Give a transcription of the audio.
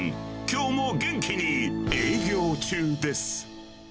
きょうも元気に営業中です。